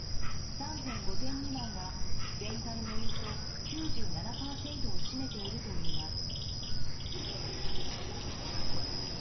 ３．５点未満が全体のおよそ９７％を占めているといいます。